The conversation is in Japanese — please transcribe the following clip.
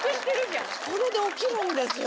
それで起きるんですよ